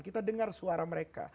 kita dengar suara mereka